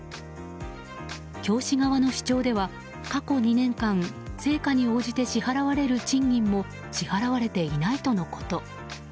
教師側の主張では過去２年間成果に応じて支払われる賃金も支払われていないとのこと。